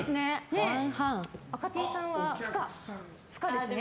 赤Ｔさんは不可ですね。